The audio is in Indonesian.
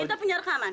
kita punya rekaman